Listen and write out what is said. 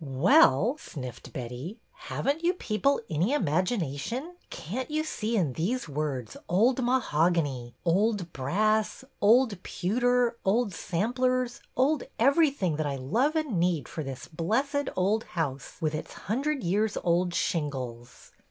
Well !" sniffed Betty. '' Have n't you people any imagination ? Can't you see in these words, old mahogany, old brass, old pewter, old sam plers, old everything that I love and need for this blessed old house with its hundred years old shingles